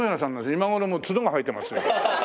今頃もう角が生えてますよ。